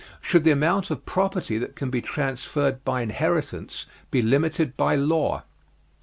Should the amount of property that can be transferred by inheritance be limited by law?